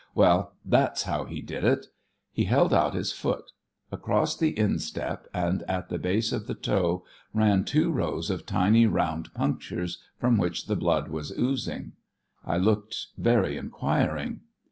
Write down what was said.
"Well, that's how he did it." He held out his foot. Across the instep and at the base of the toes ran two rows of tiny round punctures from which the blood was oozing. I looked very inquiring.